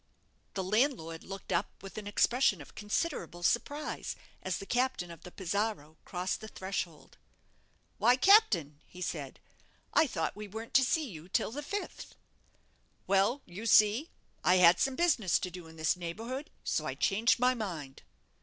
The landlord looked up with an expression of considerable surprise as the captain of the 'Pizarro' crossed the threshold. "Why, captain," he said, "I thought we weren't to see you till the fifth." "Well, you see, I had some business to do in this neighbourhood, so I changed my mind."